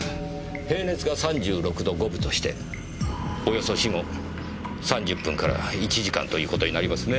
平熱が３６度５分としておよそ死後３０分から１時間という事になりますね。